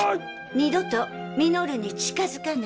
二度と稔に近づかないで。